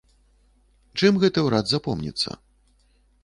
Чым гэты ўрад запомніцца?